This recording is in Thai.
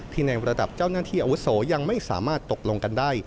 ในระดับเจ้าหน้าที่อาวุโสยังไม่สามารถตกลงกันได้